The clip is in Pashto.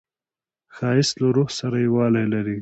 ښایست له روح سره یووالی لري